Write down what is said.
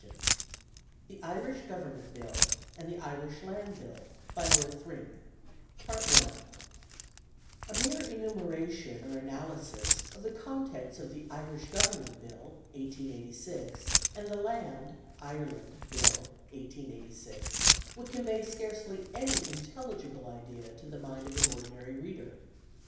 ] THE IRISH GOVERNMENT BILL AND THE IRISH LAND BILL BY LORD THRING A mere enumeration or analysis of the contents of the Irish Government Bill, 1886, and the Land (Ireland) Bill, 1886, would convey scarcely any intelligible idea to the mind of an ordinary reader.